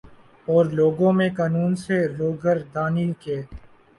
اور لوگوں میں قانون سے روگردانی کے